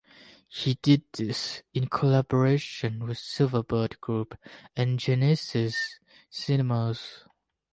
He did this in collaboration with Silverbird Group and Genesis Cinemas.